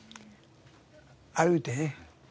歩いてね。